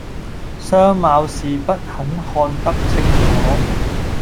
相貌是不很看得清楚，